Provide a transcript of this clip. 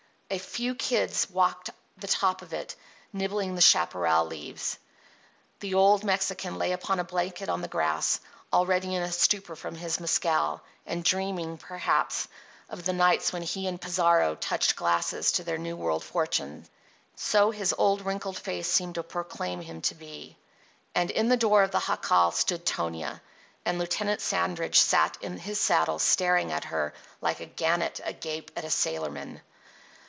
A few kids walked the top of it, nibbling the chaparral leaves. The old Mexican lay upon a blanket on the grass, already in a stupor from his mescal, and dreaming, perhaps, of the nights when he and Pizarro touched glasses to their New World fortunes—so old his wrinkled face seemed to proclaim him to be. And in the door of the jacal stood Tonia. And Lieutenant Sandridge sat in his saddle staring at her like a gannet agape at a sailorman.